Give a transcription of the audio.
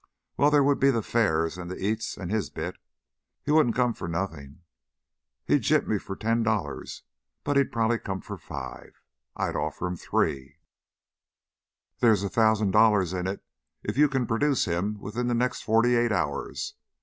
"Well, there would be the fares and the eats and his bit he wouldn't come for nothing. He'd gyp me for ten dollars, but he'd probably come for five. I'd offer him three " "There is a thousand dollars in it if you can produce him within the next forty eight hours.